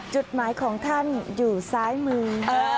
จุดหมายของท่านอยู่ซ้ายมือ